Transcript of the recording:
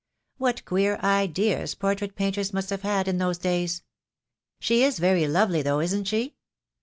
What queer ideas portrait painters must have had in those days. She is very lovely though, isn't she?"